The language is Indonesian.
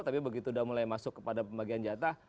tapi begitu udah mulai masuk kepada pembagian jatah